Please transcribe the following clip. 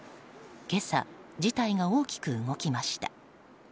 今朝、事態が大きく動きました。